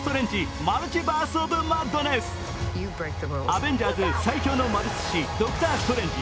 アベンジャーズ最強の魔術師ドクター・ストレンジ。